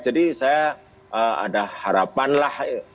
jadi saya ada harapan lah